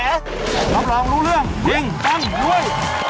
รับรองรู้เรื่องยิงปั้งรวย